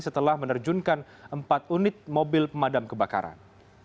setelah menerjunkan empat unit mobil pemadam kebakaran